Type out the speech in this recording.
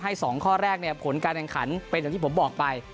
ให้สองข้อแรกในผลการแรงขันเป็นอย่างที่ผมบอกไป